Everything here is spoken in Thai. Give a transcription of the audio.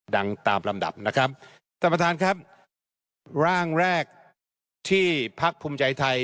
ดังตามลำดับนะครับสัมปนาจครับแรกที่พรักภูมิใจไทย